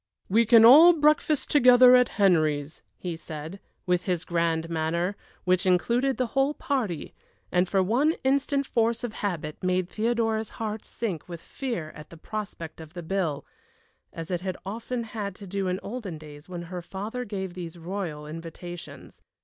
"We can all breakfast together at Henry's," he said, with his grand manner, which included the whole party; and for one instant force of habit made Theodora's heart sink with fear at the prospect of the bill, as it had often had to do in olden days when her father gave these royal invitations.